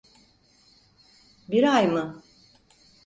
Bir ay mı?